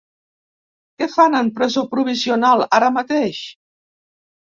Què fan en presó provisional ara mateix?.